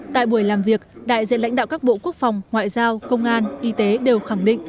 tại buổi làm việc đại diện lãnh đạo các bộ quốc phòng ngoại giao công an y tế đều khẳng định